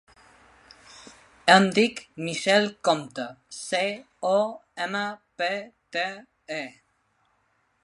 Em dic Michelle Compte: ce, o, ema, pe, te, e.